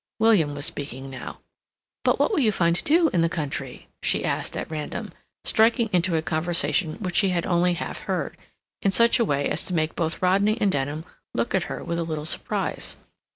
William was speaking now. "But what will you find to do in the country?" she asked at random, striking into a conversation which she had only half heard, in such a way as to make both Rodney and Denham look at her with a little surprise.